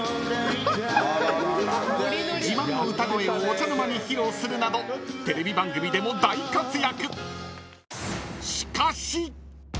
［自慢の歌声をお茶の間に披露するなどテレビ番組でも大活躍］